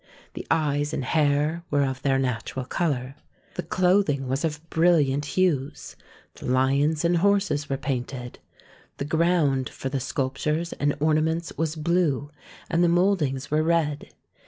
The eyes and hair were of their natural colour. The clothing was of brilliant hues. The lions and horses were painted. The ground for the sculptures and ornaments was blue, and the mouldings were red.